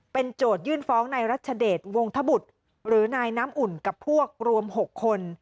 โจทยื่นฟ้องในรัชเดชวงธบุตรหรือนายน้ำอุ่นกับพวกรวม๖คน